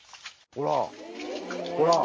ほら。